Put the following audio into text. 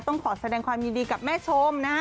ต้องขอแสดงความยินดีกับแม่ชมนะฮะ